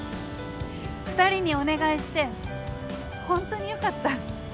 ２人にお願いしてホントによかった。